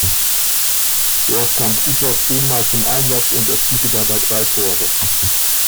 Dort kam Cooper zehn Mal zum Einsatz und erzielte dabei drei Tore.